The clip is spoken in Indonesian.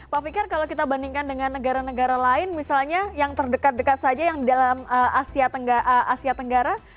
pak fikir kalau kita bandingkan dengan negara negara lain misalnya yang terdekat dekat saja yang dalam asia tenggara